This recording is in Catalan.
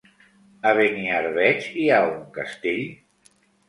A Beniarbeig hi ha un castell?